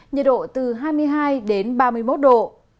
nhiệt độ từ hai mươi hai đến ba mươi một độ